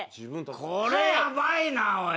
これやばいなおい。